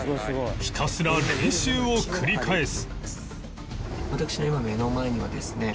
ひたすら練習を繰り返す